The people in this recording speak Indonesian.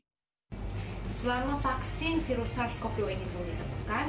selama vaksin virus sars cov dua ini belum ditemukan